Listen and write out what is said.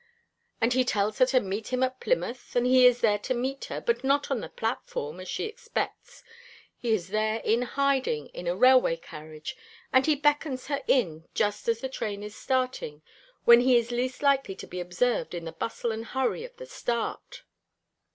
And he tells her to meet him at Plymouth, and he is there to meet her, but not on the platform as she expects. He is there in hiding in a railway carriage, and he beckons her in just as the train is starting, when he is least likely to be observed in the bustle and hurry of the start."